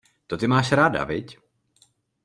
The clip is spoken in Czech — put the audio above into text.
To ty máš ráda, viď?